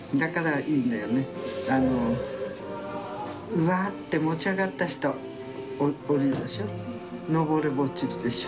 うわぁって持ち上がった人おるでしょ。